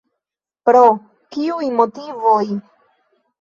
Pro kiuj motivoj?